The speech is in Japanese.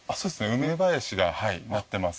梅林がなっています。